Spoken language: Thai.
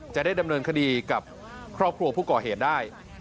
จะได้ดำเนินคดีกับครอบครัวผู้ก่อเหตุได้